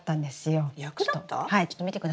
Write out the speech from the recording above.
はいちょっと見てください。